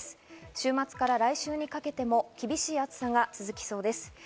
週末から来週にかけても厳しい暑さが続きそうです。